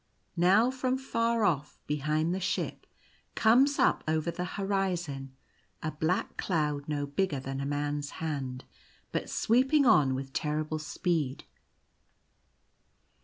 Now from far off, behind the ship, comes up over the horizon a black cloud no bigger than a man's hand, but sweeping on with terrible speed.